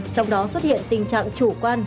trong đó xuất hiện tình trạng chủ quan